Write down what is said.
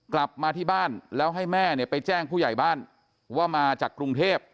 กลับมาที่บ้านแล้วให้แม่เนี่ยไปแจ้งผู้ใหญ่บ้านว่ามาจากกรุงเทพ